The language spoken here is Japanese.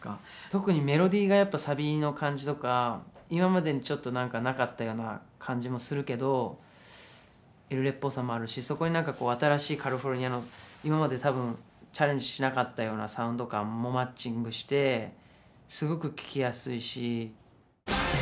特にメロディーがやっぱサビの感じとか今までにちょっとなんかなかったような感じもするけどエルレっぽさもあるしそこになんかこう新しいカリフォルニアの今まで多分チャレンジしなかったようなサウンド感もマッチングしてすごく聴きやすいし。